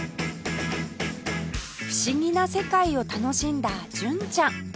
不思議な世界を楽しんだ純ちゃん